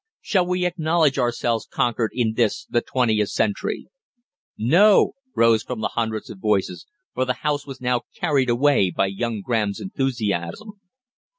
Shall we acknowledge ourselves conquered in this the twentieth century?" "No!" rose from hundreds of voices, for the House was now carried away by young Graham's enthusiasm.